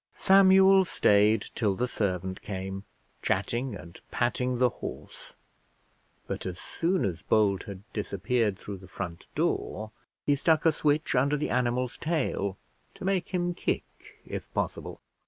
Samuel stayed till the servant came, chatting and patting the horse; but as soon as Bold had disappeared through the front door, he stuck a switch under the animal's tail to make him kick if possible.